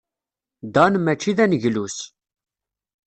Dan maci d aneglus.